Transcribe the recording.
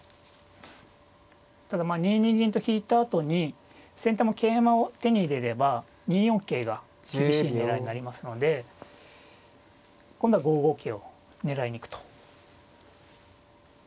ただまあ２二銀と引いたあとに先手も桂馬を手に入れれば２四桂が厳しい狙いになりますので今度は５五桂を狙いに行くと。